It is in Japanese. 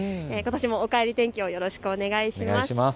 ことしもおかえり天気をよろしくお願いします。